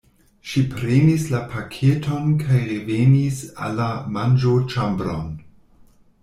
Ŝi prenis la paketon kaj revenis en la manĝoĉambron.